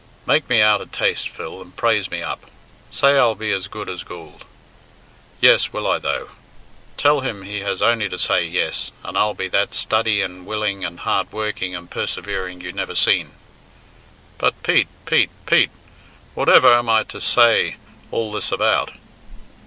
Make me out a taste, Phil, and praise me up. Say I'll be as good as goold; yes, will I though. Tell him he has only to say yes, and I'll be that studdy and willing and hardworking and persevering you never seen." "But, Pete, Pete, Pete, whatever am I to say all this about?"